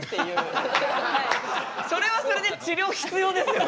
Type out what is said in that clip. それはそれで治りょう必要ですよね。